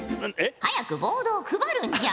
早くボードを配るんじゃ。